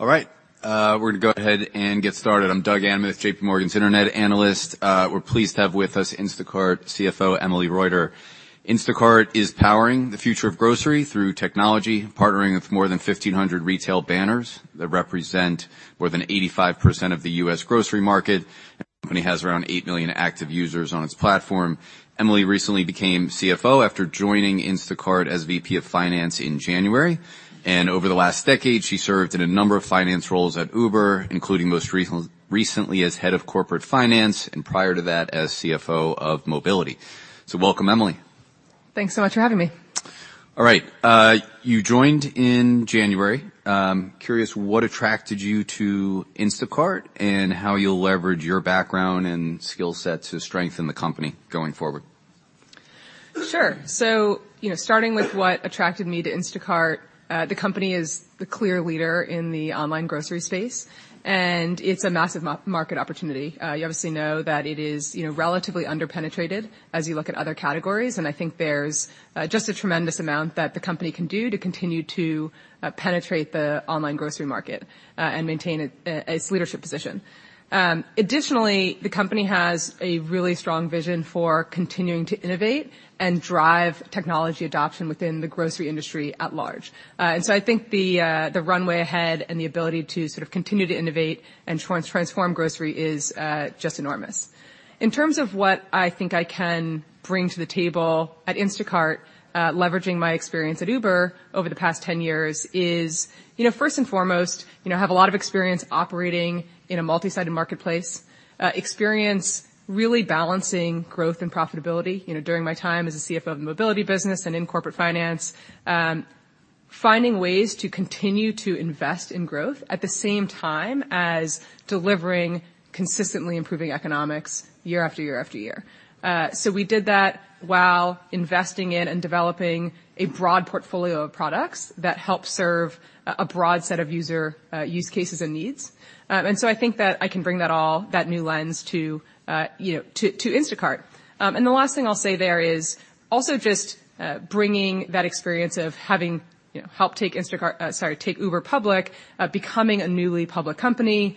All right, we're gonna go ahead and get started. I'm Doug Anmuth, J.P. Morgan's internet analyst. We're pleased to have with us Instacart CFO, Emily Reuter. Instacart is powering the future of grocery through technology, partnering with more than 1,500 retail banners that represent more than 85% of the U.S. grocery market, and the company has around 8 million active users on its platform. Emily recently became CFO after joining Instacart as VP of Finance in January, and over the last decade, she served in a number of finance roles at Uber, including recently as Head of Corporate Finance, and prior to that, as CFO of Mobility. So welcome, Emily. Thanks so much for having me. All right. You joined in January. Curious, what attracted you to Instacart, and how you'll leverage your background and skill set to strengthen the company going forward? Sure. So, you know, starting with what attracted me to Instacart, the company is the clear leader in the online grocery space, and it's a massive market opportunity. You obviously know that it is, you know, relatively underpenetrated as you look at other categories, and I think there's just a tremendous amount that the company can do to continue to penetrate the online grocery market, and maintain its its leadership position. Additionally, the company has a really strong vision for continuing to innovate and drive technology adoption within the grocery industry at large. And so I think the the runway ahead and the ability to sort of continue to innovate and transform grocery is just enormous. In terms of what I think I can bring to the table at Instacart, leveraging my experience at Uber over the past 10 years is, you know, first and foremost, you know, I have a lot of experience operating in a multi-sided marketplace, experience really balancing growth and profitability, you know, during my time as a CFO of the mobility business and in corporate finance. Finding ways to continue to invest in growth at the same time as delivering consistently improving economics year after year after year. So we did that while investing in and developing a broad portfolio of products that help serve a broad set of user use cases and needs. And so I think that I can bring that all, that new lens to, you know, to Instacart. The last thing I'll say there is also just bringing that experience of having, you know, helped take Instacart, sorry, take Uber public, becoming a newly public company,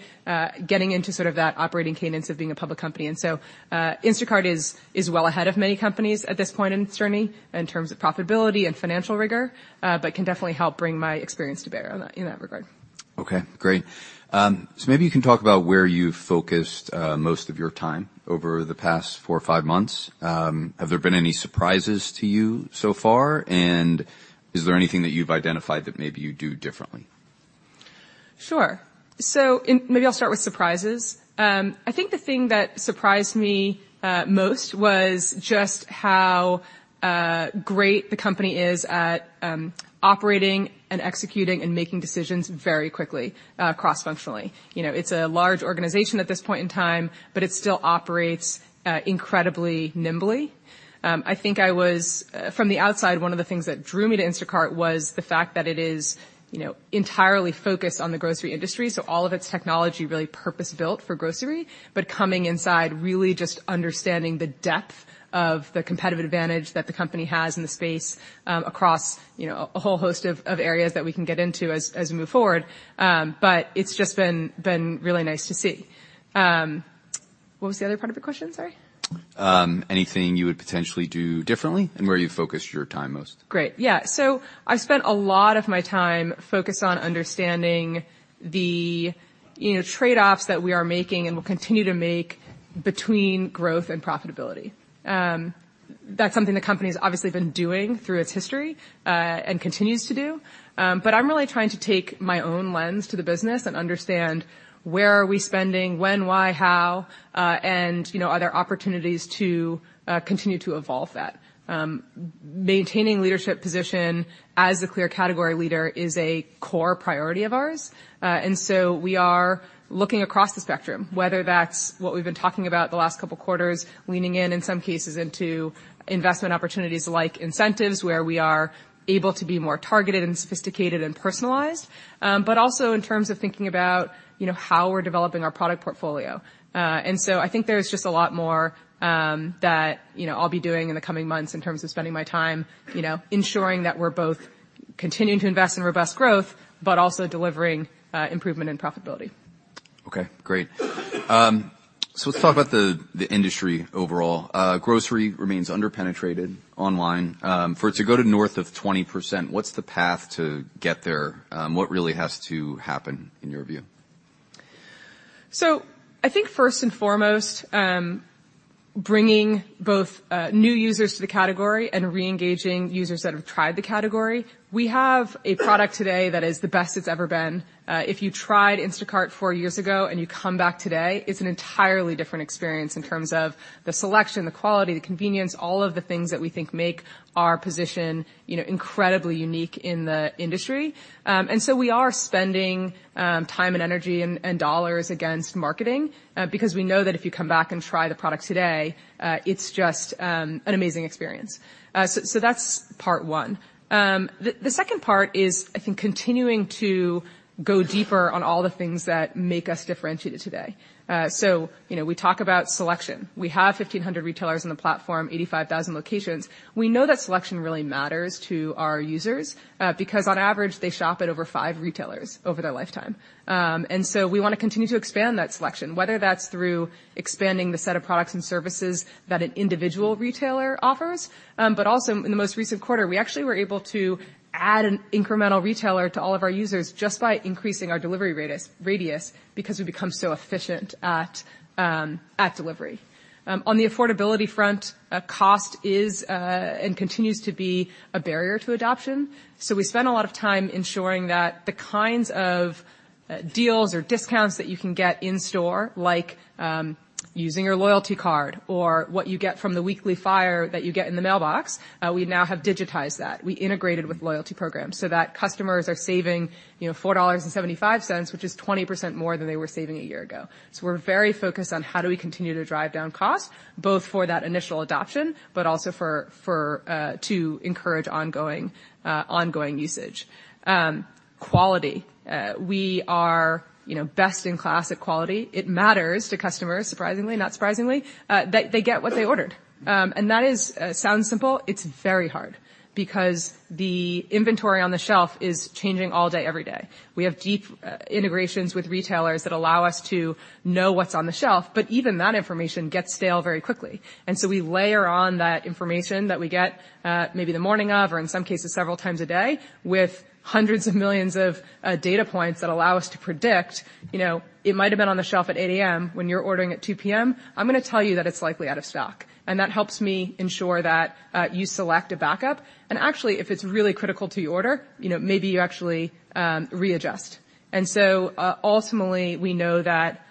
getting into sort of that operating cadence of being a public company. So, Instacart is well ahead of many companies at this point in its journey in terms of profitability and financial rigor, but can definitely help bring my experience to bear on that, in that regard. Okay, great. So maybe you can talk about where you've focused most of your time over the past four or five months. Have there been any surprises to you so far? And is there anything that you've identified that maybe you'd do differently? Sure. Maybe I'll start with surprises. I think the thing that surprised me most was just how great the company is at operating and executing and making decisions very quickly cross-functionally. You know, it's a large organization at this point in time, but it still operates incredibly nimbly. I think I was from the outside, one of the things that drew me to Instacart was the fact that it is, you know, entirely focused on the grocery industry, so all of its technology really purpose-built for grocery, but coming inside, really just understanding the depth of the competitive advantage that the company has in the space across, you know, a whole host of areas that we can get into as we move forward. But it's just been really nice to see. What was the other part of your question? Sorry. Anything you would potentially do differently and where you focused your time most? Great. Yeah. So I've spent a lot of my time focused on understanding the, you know, trade-offs that we are making and will continue to make between growth and profitability. That's something the company's obviously been doing through its history, and continues to do. But I'm really trying to take my own lens to the business and understand where are we spending, when, why, how, and, you know, are there opportunities to continue to evolve that? Maintaining leadership position as the clear category leader is a core priority of ours, and so we are looking across the spectrum, whether that's what we've been talking about the last couple of quarters, leaning in, in some cases, into investment opportunities like incentives, where we are able to be more targeted and sophisticated and personalized. But also in terms of thinking about, you know, how we're developing our product portfolio. And so I think there's just a lot more that, you know, I'll be doing in the coming months in terms of spending my time, you know, ensuring that we're both continuing to invest in robust growth, but also delivering improvement in profitability. Okay, great. So let's talk about the industry overall. Grocery remains underpenetrated online. For it to go to north of 20%, what's the path to get there? What really has to happen in your view? So I think first and foremost, bringing both new users to the category and reengaging users that have tried the category, we have a product today that is the best it's ever been. If you tried Instacart four years ago, and you come back today, it's an entirely different experience in terms of the selection, the quality, the convenience, all of the things that we think make our position, you know, incredibly unique in the industry. And so we are spending time and energy and dollars against marketing because we know that if you come back and try the product today, it's just an amazing experience. So that's part one. The second part is, I think, continuing to go deeper on all the things that make us differentiated today. So you know, we talk about selection. We have 1,500 retailers on the platform, 85,000 locations. We know that selection really matters to our users, because on average, they shop at over five retailers over their lifetime. And so we wanna continue to expand that selection, whether that's through expanding the set of products and services that an individual retailer offers. But also in the most recent quarter, we actually were able to add an incremental retailer to all of our users just by increasing our delivery radius, because we've become so efficient at delivery. On the affordability front, cost is and continues to be a barrier to adoption. So we spend a lot of time ensuring that the kinds of deals or discounts that you can get in store, like, using your loyalty card or what you get from the weekly flyer that you get in the mailbox, we now have digitized that. We integrated with loyalty programs so that customers are saving, you know, $4.75, which is 20% more than they were saving a year ago. So we're very focused on how do we continue to drive down costs, both for that initial adoption, but also for to encourage ongoing ongoing usage. Quality. We are, you know, best in class at quality. It matters to customers, surprisingly, not surprisingly, that they get what they ordered. And that sounds simple, it's very hard because the inventory on the shelf is changing all day, every day. We have deep integrations with retailers that allow us to know what's on the shelf, but even that information gets stale very quickly. And so we layer on that information that we get maybe the morning of, or in some cases, several times a day, with hundreds of millions of data points that allow us to predict, you know, it might have been on the shelf at 8 A.M. when you're ordering at 2 P.M., I'm gonna tell you that it's likely out of stock. And that helps me ensure that you select a backup. And actually, if it's really critical to your order, you know, maybe you actually readjust. Ultimately, we know that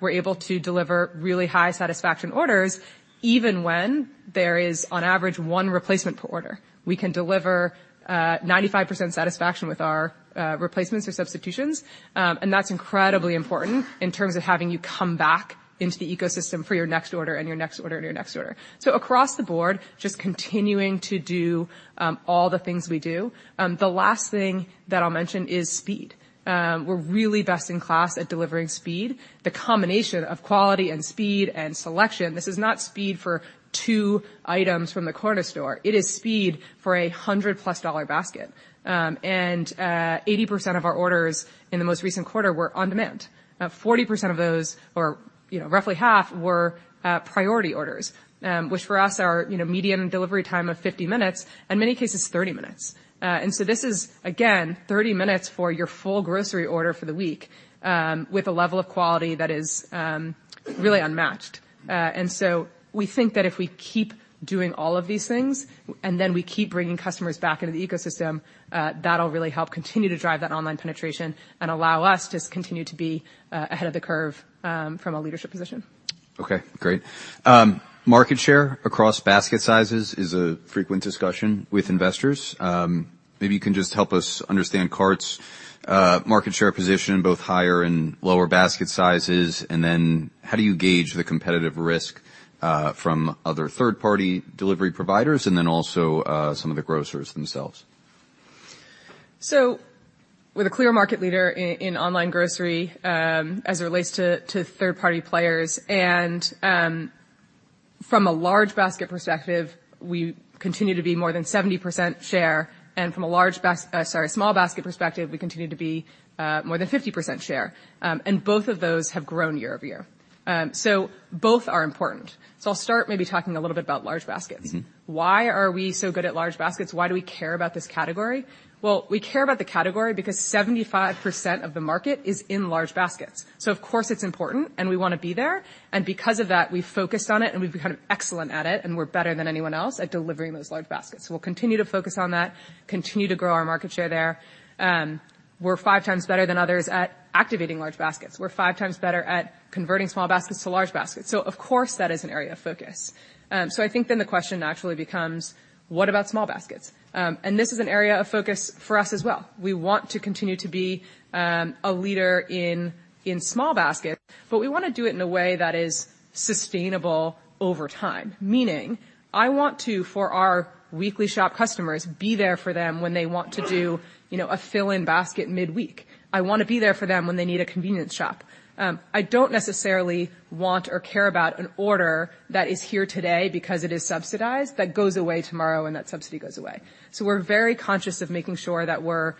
we're able to deliver really high satisfaction orders, even when there is, on average, one replacement per order. We can deliver 95% satisfaction with our replacements or substitutions. And that's incredibly important in terms of having you come back into the ecosystem for your next order and your next order, and your next order. Across the board, just continuing to do all the things we do. The last thing that I'll mention is speed. We're really best in class at delivering speed, the combination of quality and speed, and selection. This is not speed for two items from the corner store. It is speed for a $100+ basket. Eighty percent of our orders in the most recent quarter were on demand. Now, 40% of those, or, you know, roughly half, were priority orders, which for us are, you know, median delivery time of 50 minutes, in many cases, 30 minutes. And so this is, again, 30 minutes for your full grocery order for the week, with a level of quality that is really unmatched. And so we think that if we keep doing all of these things, and then we keep bringing customers back into the ecosystem, that'll really help continue to drive that online penetration and allow us to continue to be ahead of the curve, from a leadership position. Okay, great. Market share across basket sizes is a frequent discussion with investors. Maybe you can just help us understand Instacart's market share position in both higher and lower basket sizes. And then how do you gauge the competitive risk from other third-party delivery providers, and then also some of the grocers themselves? So we're the clear market leader in, in online grocery, as it relates to, to third-party players. And, from a large basket perspective, we continue to be more than 70% share, and from a small basket perspective, we continue to be, more than 50% share. And both of those have grown year-over-year. So both are important. So I'll start maybe talking a little bit about large baskets. Mm-hmm. Why are we so good at large baskets? Why do we care about this category? Well, we care about the category because 75% of the market is in large baskets. So of course, it's important, and we wanna be there, and because of that, we've focused on it, and we've become excellent at it, and we're better than anyone else at delivering those large baskets. We'll continue to focus on that, continue to grow our market share there. We're five times better than others at activating large baskets. We're five times better at converting small baskets to large baskets, so of course, that is an area of focus. So I think then the question naturally becomes: What about small baskets? And this is an area of focus for us as well. We want to continue to be a leader in small baskets, but we wanna do it in a way that is sustainable over time. Meaning, I want to, for our weekly shop customers, be there for them when they want to do, you know, a fill-in basket midweek. I wanna be there for them when they need a convenience shop. I don't necessarily want or care about an order that is here today because it is subsidized, that goes away tomorrow, and that subsidy goes away. So we're very conscious of making sure that we're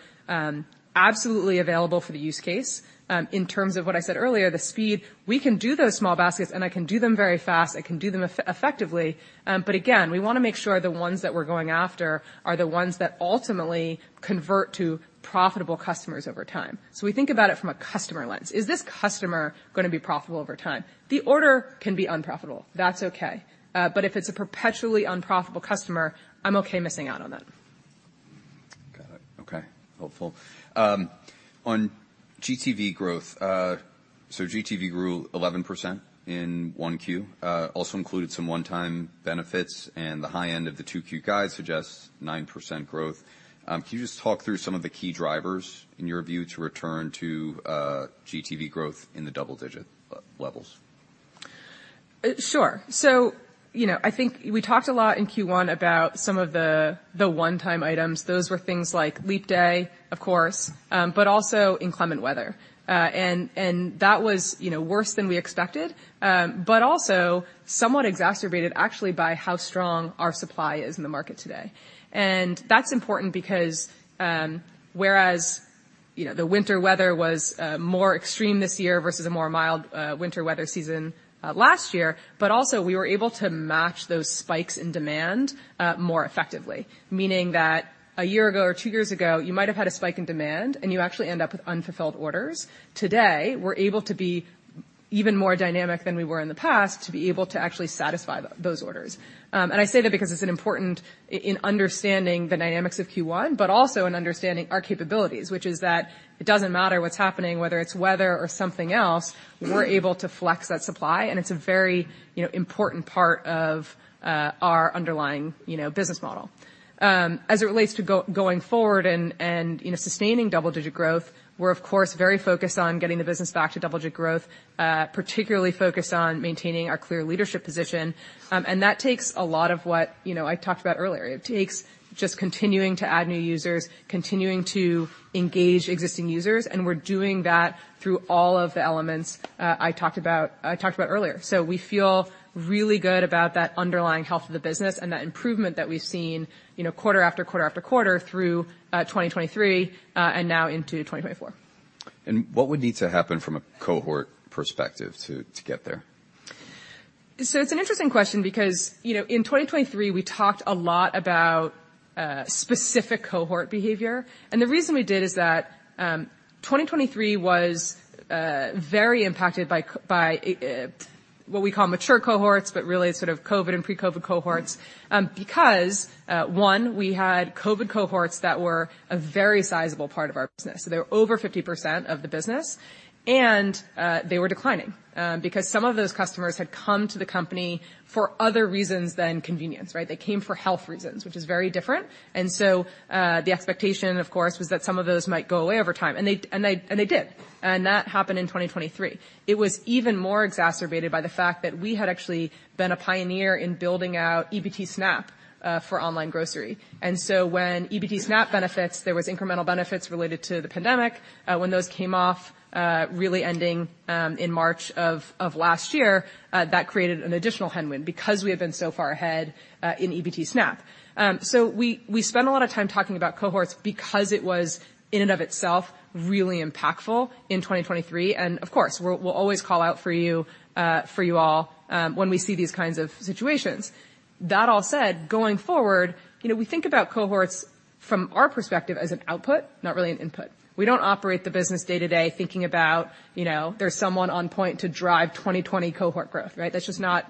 absolutely available for the use case. In terms of what I said earlier, the speed, we can do those small baskets, and I can do them very fast. I can do them effectively. But again, we wanna make sure the ones that we're going after are the ones that ultimately convert to profitable customers over time. So we think about it from a customer lens. Is this customer gonna be profitable over time? The order can be unprofitable, that's okay, but if it's a perpetually unprofitable customer, I'm okay missing out on that.... Got it. Okay, helpful. On GTV growth, so GTV grew 11% in 1Q, also included some one-time benefits, and the high end of the 2Q guide suggests 9% growth. Can you just talk through some of the key drivers, in your view, to return to, GTV growth in the double-digit levels? Sure. So, you know, I think we talked a lot in Q1 about some of the one-time items. Those were things like leap day, of course, but also inclement weather. And that was, you know, worse than we expected, but also somewhat exacerbated actually by how strong our supply is in the market today. And that's important because, whereas, you know, the winter weather was more extreme this year versus a more mild winter weather season last year, but also we were able to match those spikes in demand more effectively. Meaning that a year ago or two years ago, you might have had a spike in demand, and you actually end up with unfulfilled orders. Today, we're able to be even more dynamic than we were in the past, to be able to actually satisfy those orders. I say that because it's an important in understanding the dynamics of Q1, but also in understanding our capabilities, which is that it doesn't matter what's happening, whether it's weather or something else. We're able to flex that supply, and it's a very, you know, important part of our underlying, you know, business model. As it relates to going forward and you know, sustaining double-digit growth, we're of course very focused on getting the business back to double-digit growth, particularly focused on maintaining our clear leadership position. That takes a lot of what, you know, I talked about earlier. It takes just continuing to add new users, continuing to engage existing users, and we're doing that through all of the elements I talked about, I talked about earlier. We feel really good about that underlying health of the business and that improvement that we've seen, you know, quarter after quarter after quarter, through 2023, and now into 2024. What would need to happen from a cohort perspective to get there? So it's an interesting question because, you know, in 2023, we talked a lot about specific cohort behavior, and the reason we did is that 2023 was very impacted by by what we call mature cohorts, but really sort of COVID and pre-COVID cohorts. Because one, we had COVID cohorts that were a very sizable part of our business. So they were over 50% of the business, and they were declining because some of those customers had come to the company for other reasons than convenience, right? They came for health reasons, which is very different. And so the expectation, of course, was that some of those might go away over time, and they did. And that happened in 2023. It was even more exacerbated by the fact that we had actually been a pioneer in building out EBT SNAP, for online grocery. And so when EBT SNAP benefits, there was incremental benefits related to the pandemic, when those came off, really ending, in March of last year, that created an additional headwind because we have been so far ahead, in EBT SNAP. So we spent a lot of time talking about cohorts because it was in and of itself, really impactful in 2023, and of course, we'll always call out for you, for you all, when we see these kinds of situations. That all said, going forward, you know, we think about cohorts from our perspective as an output, not really an input. We don't operate the business day-to-day thinking about, you know, there's someone on point to drive 2020 cohort growth, right? That's just not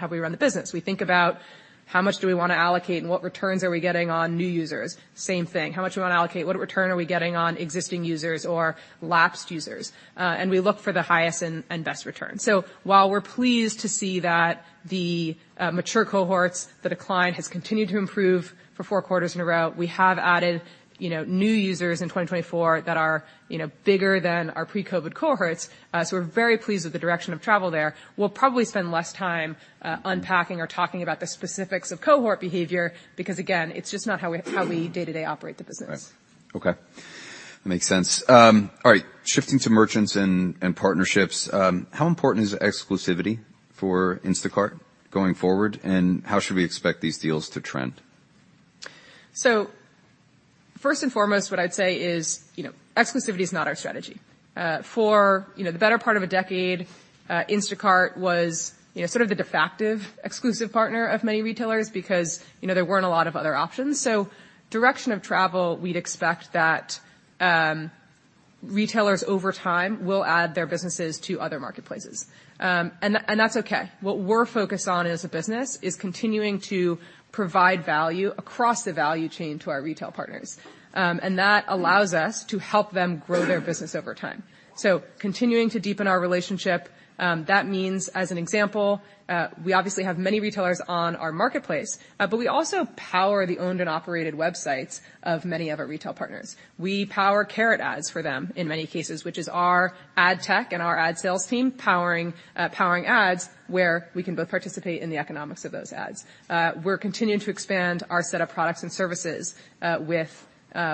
how we run the business. We think about how much do we wanna allocate and what returns are we getting on new users? Same thing. How much do we wanna allocate? What return are we getting on existing users or lapsed users? And we look for the highest and best return. So while we're pleased to see that the mature cohorts, the decline, has continued to improve for four quarters in a row, we have added, you know, new users in 2024 that are, you know, bigger than our pre-COVID cohorts. So we're very pleased with the direction of travel there. We'll probably spend less time, unpacking or talking about the specifics of cohort behavior, because, again, it's just not how we day-to-day operate the business. Right. Okay, makes sense. All right, shifting to merchants and partnerships, how important is exclusivity for Instacart going forward, and how should we expect these deals to trend? So first and foremost, what I'd say is, you know, exclusivity is not our strategy. For, you know, the better part of a decade, Instacart was, you know, sort of the de facto exclusive partner of many retailers because, you know, there weren't a lot of other options. So direction of travel, we'd expect that, retailers over time will add their businesses to other marketplaces. And that's okay. What we're focused on as a business is continuing to provide value across the value chain to our retail partners. And that allows us to help them grow their business over time. So continuing to deepen our relationship, that means, as an example, we obviously have many retailers on our marketplace, but we also power the owned and operated websites of many of our retail partners. We power Carrot Ads for them in many cases, which is our ad tech and our ad sales team powering, powering ads, where we can both participate in the economics of those ads. We're continuing to expand our set of products and services, with,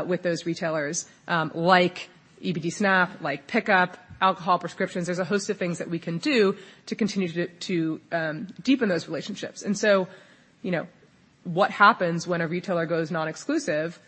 with those retailers, like EBT SNAP, like pickup, alcohol, prescriptions. There's a host of things that we can do to continue to, to, deepen those relationships. And so, you know, what happens when a retailer goes non-exclusive?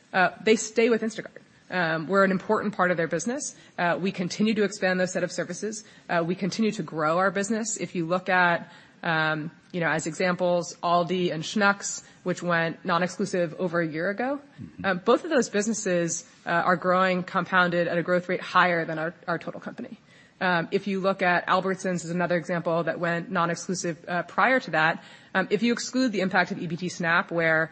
They stay with Instacart. We're an important part of their business. We continue to expand those set of services. We continue to grow our business. If you look at, you know, as examples, Aldi and Schnucks, which went non-exclusive over a year ago. Mm-hmm. Both of those businesses are growing, compounded at a growth rate higher than our total company. If you look at Albertsons, is another example that went non-exclusive prior to that. If you exclude the impact of EBT SNAP, where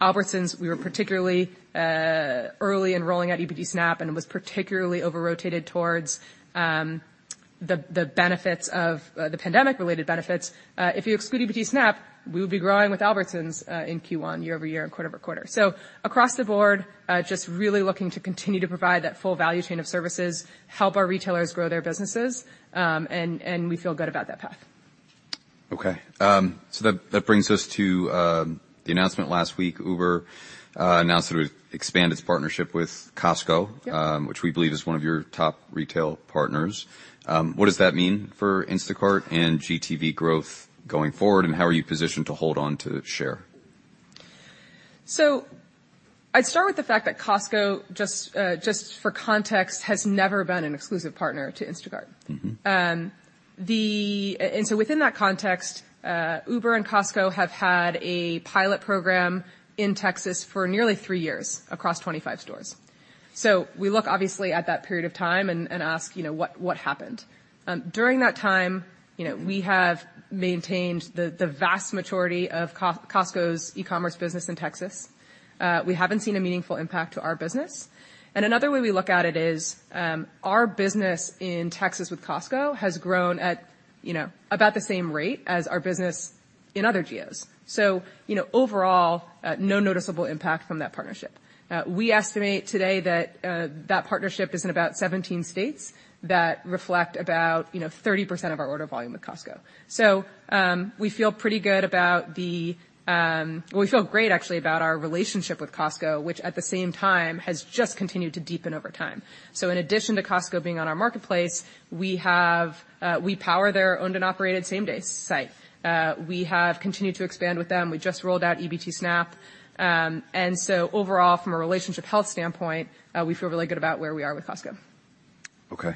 Albertsons we were particularly early in rolling out EBT SNAP, and it was particularly over-rotated towards the benefits of the pandemic-related benefits, if you exclude EBT SNAP, we will be growing with Albertsons in Q1, year-over-year and quarter-over-quarter. So across the board, just really looking to continue to provide that full value chain of services, help our retailers grow their businesses, and we feel good about that path. Okay. So that brings us to the announcement last week. Uber announced that it would expand its partnership with Costco- Yep. which we believe is one of your top retail partners. What does that mean for Instacart and GTV growth going forward, and how are you positioned to hold on to share? I'd start with the fact that Costco, just, just for context, has never been an exclusive partner to Instacart. Mm-hmm. And so within that context, Uber and Costco have had a pilot program in Texas for nearly three years across 25 stores. So we look obviously at that period of time and ask, you know, what happened? During that time, you know, we have maintained the vast majority of Costco's e-commerce business in Texas. We haven't seen a meaningful impact to our business. And another way we look at it is, our business in Texas with Costco has grown at, you know, about the same rate as our business in other geos. So, you know, overall, no noticeable impact from that partnership. We estimate today that that partnership is in about 17 states that reflect about, you know, 30% of our order volume with Costco. So, we feel pretty good about the... We feel great, actually, about our relationship with Costco, which at the same time, has just continued to deepen over time. So in addition to Costco being on our marketplace, we have, we power their owned and operated same-day site. We have continued to expand with them. We just rolled out EBT SNAP. And so overall, from a relationship health standpoint, we feel really good about where we are with Costco. Okay.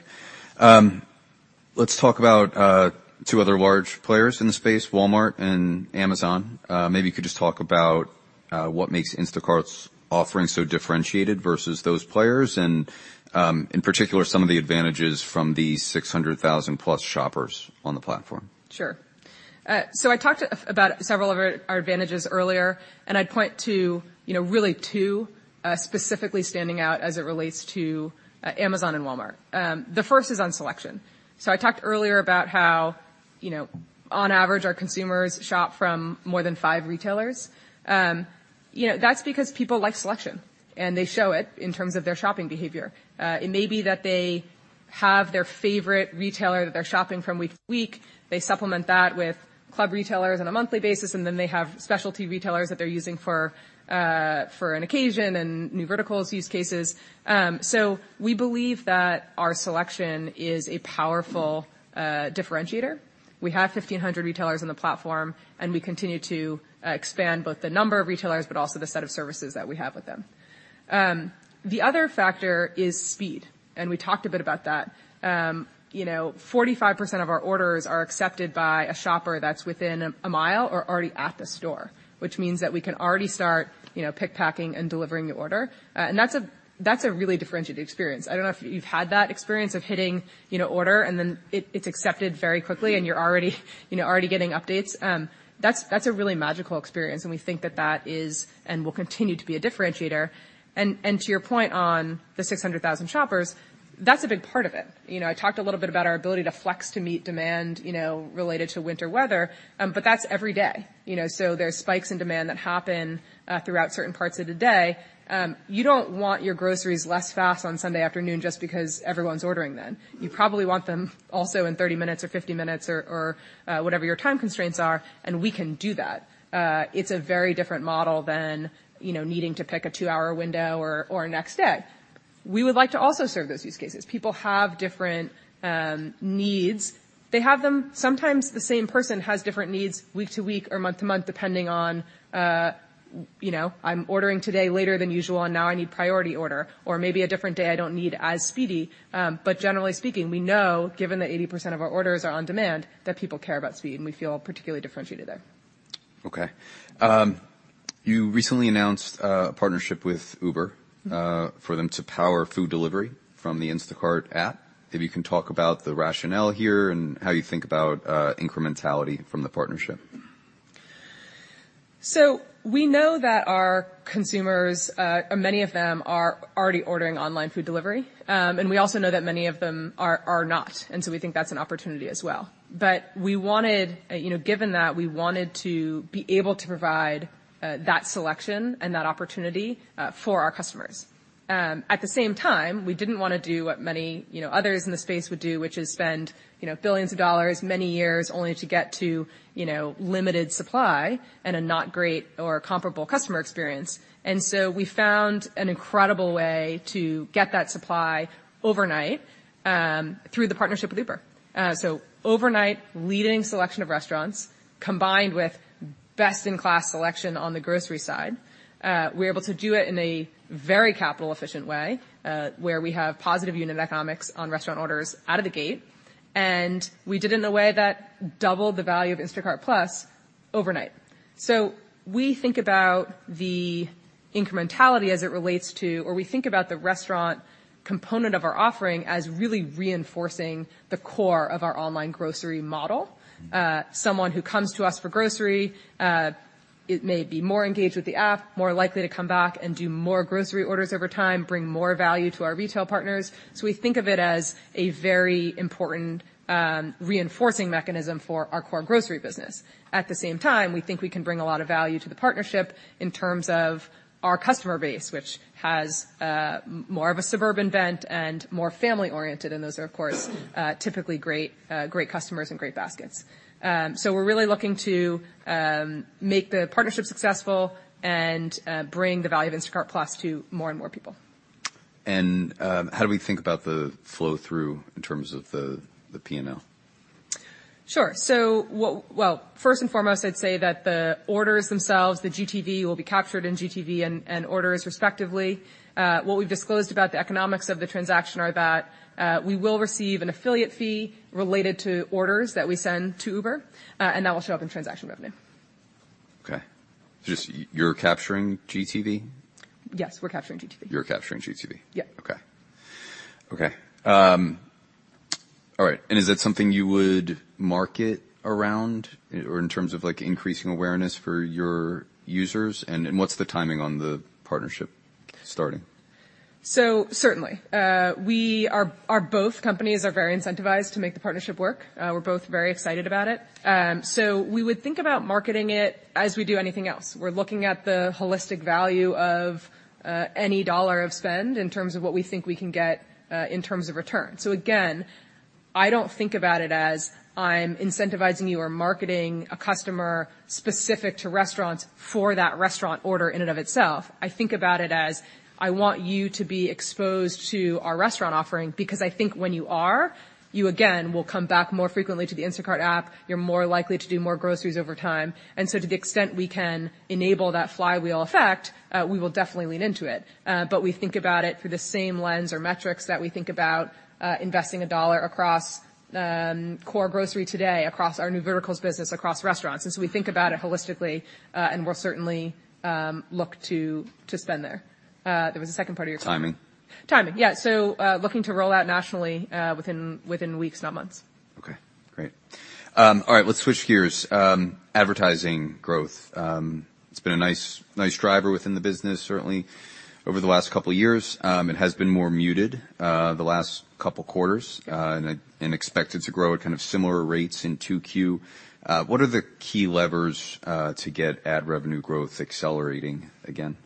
Let's talk about two other large players in the space, Walmart and Amazon. Maybe you could just talk about what makes Instacart's offering so differentiated versus those players, and in particular, some of the advantages from the 600,000+ shoppers on the platform. Sure. So I talked about several of our advantages earlier, and I'd point to, you know, really two specifically standing out as it relates to Amazon and Walmart. The first is on selection. So I talked earlier about how, you know, on average, our consumers shop from more than five retailers. You know, that's because people like selection, and they show it in terms of their shopping behavior. It may be that they have their favorite retailer that they're shopping from week to week. They supplement that with club retailers on a monthly basis, and then they have specialty retailers that they're using for an occasion and new verticals use cases. So we believe that our selection is a powerful differentiator. We have 1,500 retailers on the platform, and we continue to expand both the number of retailers, but also the set of services that we have with them. The other factor is speed, and we talked a bit about that. You know, 45% of our orders are accepted by a shopper that's within a mile or already at the store, which means that we can already start, you know, pick, packing, and delivering the order. And that's a really differentiated experience. I don't know if you've had that experience of hitting, you know, order, and then it, it's accepted very quickly, and you're already, you know, already getting updates. That's a really magical experience, and we think that that is and will continue to be a differentiator. To your point on the 600,000 shoppers, that's a big part of it. You know, I talked a little bit about our ability to flex to meet demand, you know, related to winter weather, but that's every day. You know, so there's spikes in demand that happen throughout certain parts of the day. You don't want your groceries less fast on Sunday afternoon just because everyone's ordering then. You probably want them also in 30 minutes or 50 minutes or whatever your time constraints are, and we can do that. It's a very different model than, you know, needing to pick a 2-hour window or next day. We would like to also serve those use cases. People have different needs. They have them... Sometimes the same person has different needs week to week or month to month, depending on, you know, I'm ordering today later than usual, and now I need priority order, or maybe a different day, I don't need as speedy. But generally speaking, we know, given that 80% of our orders are on demand, that people care about speed, and we feel particularly differentiated there. Okay. You recently announced a partnership with Uber- Mm-hmm. for them to power food delivery from the Instacart app. If you can talk about the rationale here and how you think about, incrementality from the partnership. So we know that our consumers, many of them are already ordering online food delivery, and we also know that many of them are, are not, and so we think that's an opportunity as well. But we wanted, you know, given that, we wanted to be able to provide, that selection and that opportunity, for our customers. At the same time, we didn't want to do what many, you know, others in the space would do, which is spend, you know, $ billions, many years, only to get to, you know, limited supply and a not great or comparable customer experience. And so we found an incredible way to get that supply overnight, through the partnership with Uber. So overnight, leading selection of restaurants, combined with best-in-class selection on the grocery side, we're able to do it in a very capital-efficient way, where we have positive unit economics on restaurant orders out of the gate, and we did it in a way that doubled the value of Instacart Plus overnight. So we think about the incrementality as it relates to... or we think about the restaurant component of our offering as really reinforcing the core of our online grocery model. Mm-hmm. Someone who comes to us for grocery, it may be more engaged with the app, more likely to come back and do more grocery orders over time, bring more value to our retail partners. So we think of it as a very important reinforcing mechanism for our core grocery business. At the same time, we think we can bring a lot of value to the partnership in terms of our customer base, which has more of a suburban bent and more family-oriented, and those are, of course, typically great great customers and great baskets. So we're really looking to make the partnership successful and bring the value of Instacart Plus to more and more people. How do we think about the flow-through in terms of the P&L? Sure. So, well, first and foremost, I'd say that the orders themselves, the GTV, will be captured in GTV and orders respectively. What we've disclosed about the economics of the transaction are that we will receive an affiliate fee related to orders that we send to Uber, and that will show up in transaction revenue. Okay. Just you're capturing GTV? Yes, we're capturing GTV. You're capturing GTV? Yeah. Okay. Okay. All right, and is that something you would market around or in terms of, like, increasing awareness for your users? And what's the timing on the partnership starting? So certainly, our both companies are very incentivized to make the partnership work. We're both very excited about it. So we would think about marketing it as we do anything else. We're looking at the holistic value of any dollar of spend in terms of what we think we can get in terms of return. So again, I don't think about it as I'm incentivizing you or marketing a customer specific to restaurants for that restaurant order in and of itself. I think about it as I want you to be exposed to our restaurant offering, because I think when you are, you, again, will come back more frequently to the Instacart app. You're more likely to do more groceries over time. And so to the extent we can enable that flywheel effect, we will definitely lean into it. But we think about it through the same lens or metrics that we think about investing a dollar across core grocery today, across our new verticals business, across restaurants. And so we think about it holistically, and we'll certainly look to spend there. There was a second part of your question. Timing. Timing. Yeah. So, looking to roll out nationally, within weeks, not months. Okay, great. All right, let's switch gears. Advertising growth, it's been a nice, nice driver within the business, certainly over the last couple of years. It has been more muted, the last couple quarters, and expected to grow at kind of similar rates in 2Q. What are the key levers to get ad revenue growth accelerating again?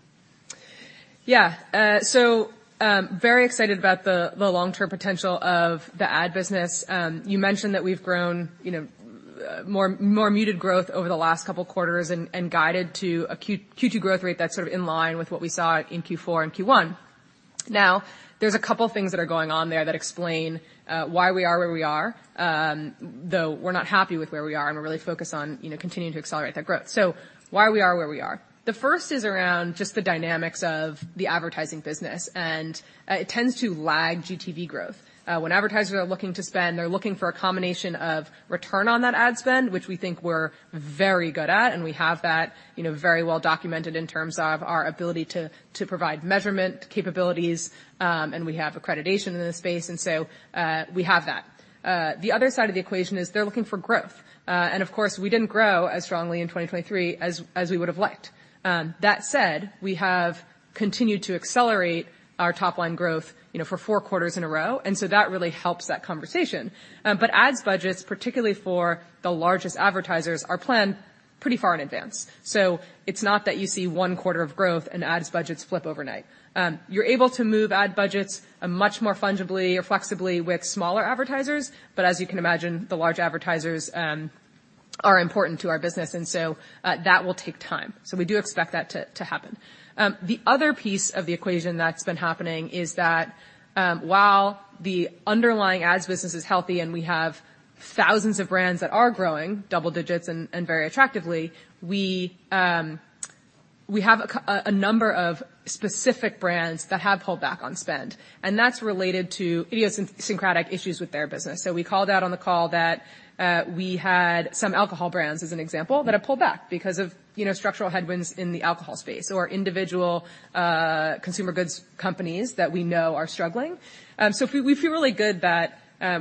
Yeah. So, very excited about the long-term potential of the ad business. You mentioned that we've grown, you know, more muted growth over the last couple of quarters and guided to a Q2 growth rate that's sort of in line with what we saw in Q4 and Q1. Now, there's a couple things that are going on there that explain why we are where we are, though we're not happy with where we are, and we're really focused on, you know, continuing to accelerate that growth. So why we are where we are? The first is around just the dynamics of the advertising business, and it tends to lag GTV growth. When advertisers are looking to spend, they're looking for a combination of return on that ad spend, which we think we're very good at, and we have that, you know, very well documented in terms of our ability to provide measurement capabilities, and we have accreditation in this space, and so we have that. The other side of the equation is they're looking for growth. Of course, we didn't grow as strongly in 2023 as we would have liked. That said, we have continued to accelerate our top-line growth, you know, for four quarters in a row, and so that really helps that conversation. Ads budgets, particularly for the largest advertisers, are planned pretty far in advance. So it's not that you see one quarter of growth and ads budgets flip overnight. You're able to move ad budgets much more fungibly or flexibly with smaller advertisers, but as you can imagine, the large advertisers are important to our business, and so that will take time. So we do expect that to happen. The other piece of the equation that's been happening is that, while the underlying ads business is healthy and we have thousands of brands that are growing double digits and very attractively, we have a number of specific brands that have pulled back on spend, and that's related to idiosyncratic issues with their business. So we called out on the call that we had some alcohol brands as an example, that have pulled back because of, you know, structural headwinds in the alcohol space or individual consumer goods companies that we know are struggling. So we feel really good that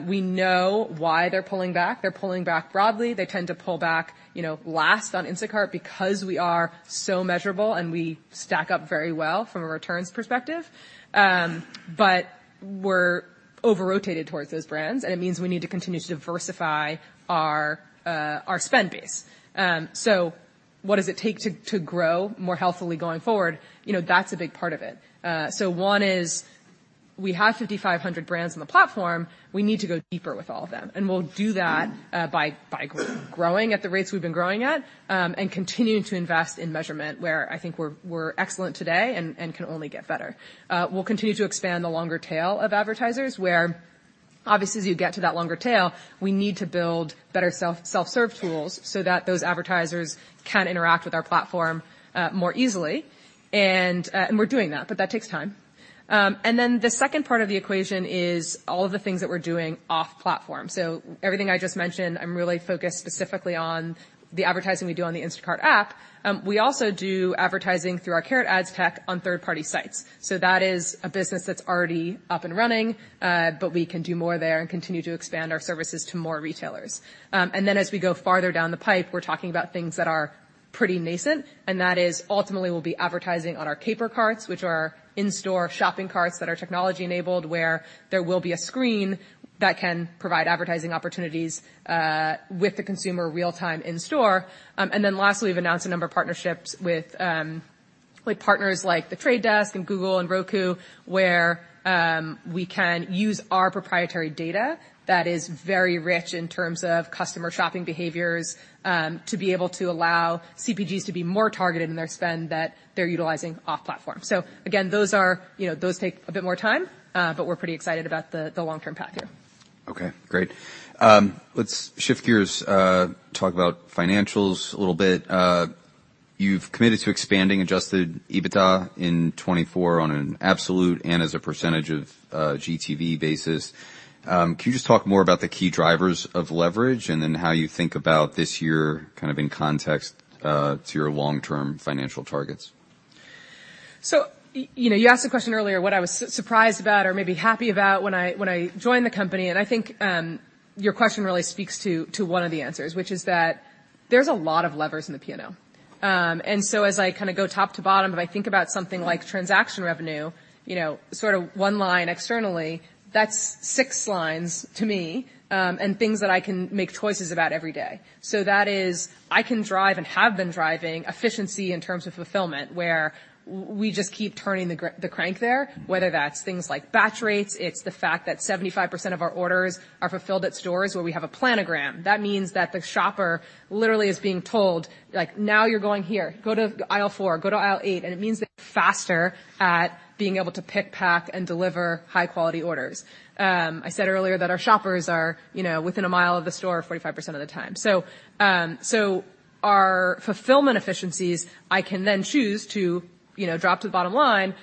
we know why they're pulling back. They're pulling back broadly. They tend to pull back, you know, last on Instacart because we are so measurable and we stack up very well from a returns perspective. But we're over-rotated towards those brands, and it means we need to continue to diversify our our spend base. So what does it take to grow more healthily going forward? You know, that's a big part of it. So one is we have 5,500 brands on the platform, we need to go deeper with all of them, and we'll do that by growing at the rates we've been growing at, and continuing to invest in measurement, where I think we're excellent today and can only get better. We'll continue to expand the longer tail of advertisers, where obviously, as you get to that longer tail, we need to build better self-serve tools so that those advertisers can interact with our platform more easily. And we're doing that, but that takes time. And then the second part of the equation is all of the things that we're doing off-platform. So everything I just mentioned, I'm really focused specifically on the advertising we do on the Instacart app. We also do advertising through our Carrot Ads tech on third-party sites. So that is a business that's already up and running, but we can do more there and continue to expand our services to more retailers. And then as we go farther down the pipe, we're talking about things that are-... Pretty nascent, and that is ultimately we'll be advertising on our Caper Carts, which are in-store shopping carts that are technology-enabled, where there will be a screen that can provide advertising opportunities with the consumer real-time in store. And then lastly, we've announced a number of partnerships with with partners like The Trade Desk and Google and Roku, where we can use our proprietary data that is very rich in terms of customer shopping behaviors to be able to allow CPGs to be more targeted in their spend that they're utilizing off-platform. So again, those are, you know, those take a bit more time, but we're pretty excited about the long-term path here. Okay, great. Let's shift gears, talk about financials a little bit. You've committed to expanding Adjusted EBITDA in 2024 on an absolute and as a percentage of GTV basis. Can you just talk more about the key drivers of leverage and then how you think about this year, kind of in context, to your long-term financial targets? So, you know, you asked a question earlier, what I was surprised about or maybe happy about when I joined the company, and I think your question really speaks to one of the answers, which is that there's a lot of levers in the P&L. And so as I kind of go top to bottom, if I think about something like transaction revenue, you know, sort of one line externally, that's six lines to me, and things that I can make choices about every day. So that is, I can drive and have been driving efficiency in terms of fulfillment, where we just keep turning the crank there, whether that's things like batch rates, it's the fact that 75% of our orders are fulfilled at stores where we have a planogram. That means that the shopper literally is being told, like, "Now you're going here, go to aisle 4, go to aisle 8." It means they're faster at being able to pick, pack, and deliver high-quality orders. I said earlier that our shoppers are, you know, within a mile of the store 45% of the time. So, so our fulfillment efficiencies, I can then choose to, you know, drop to the bottom line,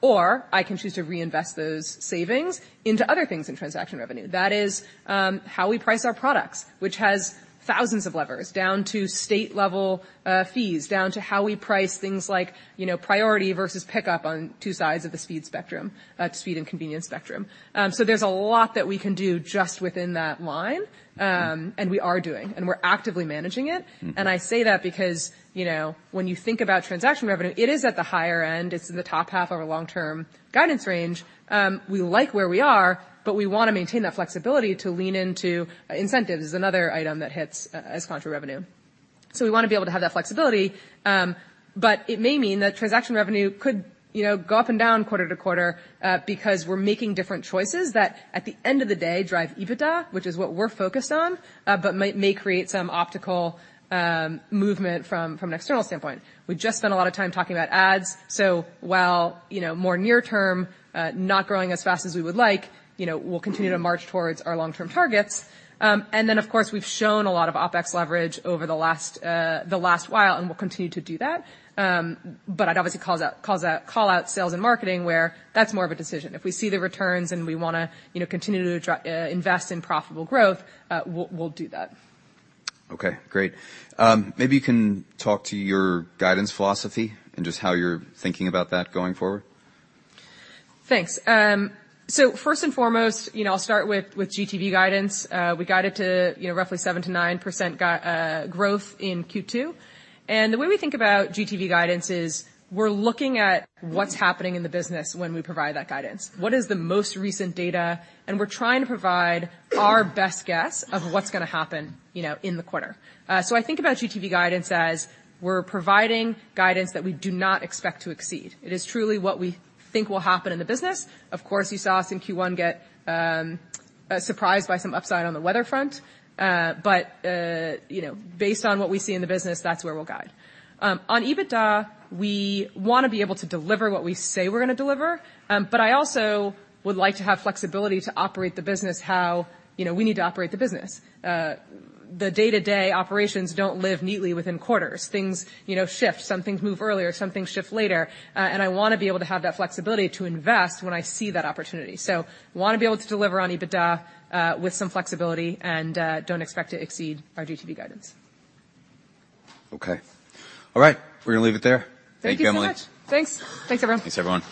or I can choose to reinvest those savings into other things in transaction revenue. That is, how we price our products, which has thousands of levers down to state-level, fees, down to how we price things like, you know, priority versus pickup on two sides of the speed spectrum, speed and convenience spectrum. There's a lot that we can do just within that line, and we are doing, and we're actively managing it. Mm-hmm. And I say that because, you know, when you think about transaction revenue, it is at the higher end. It's in the top half of our long-term guidance range. We like where we are, but we want to maintain that flexibility to lean into, incentives is another item that hits, as contra revenue. So we want to be able to have that flexibility, but it may mean that transaction revenue could, you know, go up and down quarter to quarter, because we're making different choices that at the end of the day, drive EBITDA, which is what we're focused on, but may create some optical movement from, from an external standpoint. We just spent a lot of time talking about ads, so while, you know, more near term, not growing as fast as we would like, you know, we'll continue to march towards our long-term targets. And then, of course, we've shown a lot of OpEx leverage over the last, the last while, and we'll continue to do that. But I'd obviously call out sales and marketing, where that's more of a decision. If we see the returns and we wanna, you know, continue to invest in profitable growth, we'll do that. Okay, great. Maybe you can talk to your guidance philosophy and just how you're thinking about that going forward. Thanks. So first and foremost, you know, I'll start with GTV guidance. We guided to, you know, roughly 7%-9% growth in Q2. The way we think about GTV guidance is we're looking at what's happening in the business when we provide that guidance. What is the most recent data? We're trying to provide our best guess of what's gonna happen, you know, in the quarter. So I think about GTV guidance as we're providing guidance that we do not expect to exceed. It is truly what we think will happen in the business. Of course, you saw us in Q1 get surprised by some upside on the weather front. But you know, based on what we see in the business, that's where we'll guide. On EBITDA, we wanna be able to deliver what we say we're gonna deliver, but I also would like to have flexibility to operate the business, how, you know, we need to operate the business. The day-to-day operations don't live neatly within quarters. Things, you know, shift. Some things move earlier, some things shift later, and I wanna be able to have that flexibility to invest when I see that opportunity. So wanna be able to deliver on EBITDA, with some flexibility and, don't expect to exceed our GTV guidance. Okay. All right, we're gonna leave it there. Thank you so much. Thank you, Emily. Thanks. Thanks, everyone. Thanks, everyone.